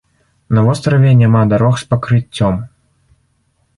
На востраве няма дарог з пакрыццём.